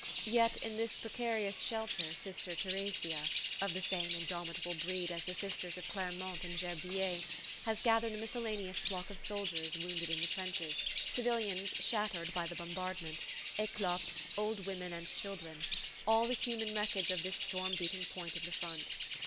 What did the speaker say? Yet in this precarious shelter Sister Theresia, of the same indomitable breed as the Sisters of Clermont and Gerbeviller, has gathered a miscellaneous flock of soldiers wounded in the trenches, civilians shattered by the bombardment, eclopes, old women and children: all the human wreckage of this storm beaten point of the front.